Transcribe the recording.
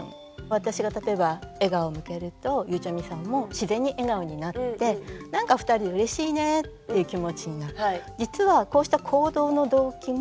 私が例えば笑顔を向けるとゆうちゃみさんも自然に笑顔になって何か２人でうれしいねっていう気持ちになる。